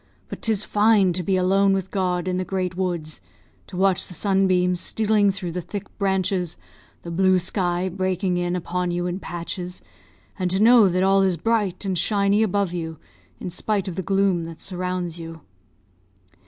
But 'tis fine to be alone with God in the great woods to watch the sunbeams stealing through the thick branches, the blue sky breaking in upon you in patches, and to know that all is bright and shiny above you, in spite of the gloom that surrounds you."